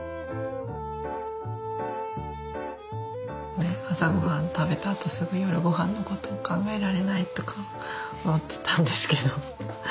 ねっ朝ごはん食べたあとすぐ夜ごはんのことを考えられないとか思ってたんですけど。